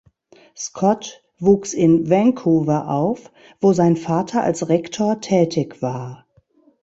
Scott wuchs in Vancouver auf, wo sein Vater als Rektor tätig war.